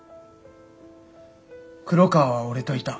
黒川は俺といた。